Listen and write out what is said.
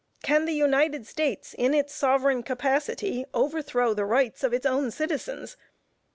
Can the United States, in its sovereign capacity, overthrow the rights of its own citizens?